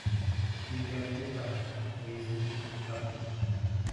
William Heffernan réside au Vermont.